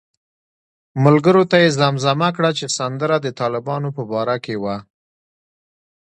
ملګرو ته یې زمزمه کړه چې سندره د طالبانو په باره کې وه.